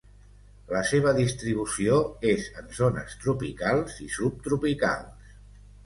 La seva distribució és en zones tropicals i subtropicals.